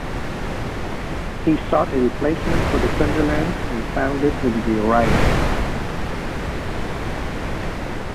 He sought a replacement for the Sunderlands and found it in the Orion.